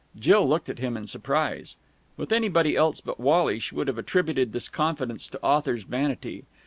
Jill looked at him in surprise. With anybody else but Wally she would have attributed this confidence to author's vanity.